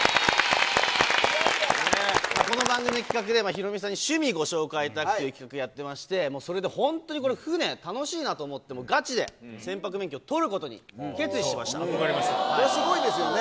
この番組の企画で、ヒロミさんに趣味、ご紹介いただくという企画やっていまして、それで本当にこれ、船、楽しいなと思って、もうガチで船舶免許を取ることに、すごいですよね。